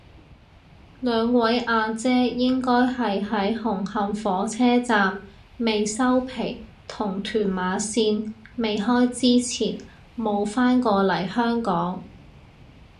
兩位阿姐應該係喺紅磡火車站未收皮同屯馬綫未開之前冇返過嚟香港